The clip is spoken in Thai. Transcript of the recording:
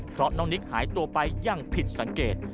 เพราะน้องนิกหายตัวไปอย่างผิดสังเกต